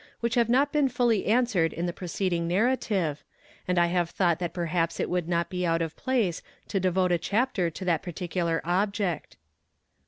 which have not been fully answered in the preceding narrative, and I have thought that perhaps it would not be out of place to devote a chapter to that particular object.